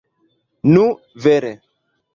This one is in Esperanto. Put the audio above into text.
Nu, vere.